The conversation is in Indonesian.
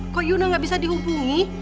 kok yuna gak bisa dihubungi